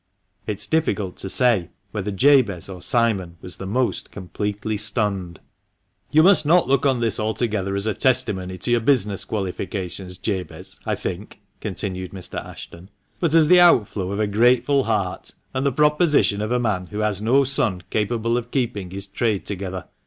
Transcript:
It is difficult to say whether Jabez or Simon was the most completely stunned. "You must not look on this altogether as a testimony to your business qualifications, Jabez, I think," continued Mr. Ashton, "but as the outflow of a grateful heart, and the proposition of a man who has no son capable of keeping his trade together.